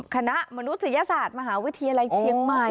มนุษยศาสตร์มหาวิทยาลัยเชียงใหม่